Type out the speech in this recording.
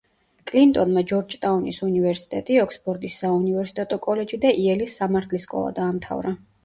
კლინტონმა ჯორჯტაუნის უნივერსიტეტი, ოქსფორდის საუნივერსიტეტო კოლეჯი და იელის სამართლის სკოლა დაამთავრა.